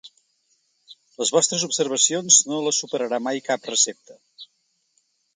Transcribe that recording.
Les vostres observacions no les superarà mai cap recepta.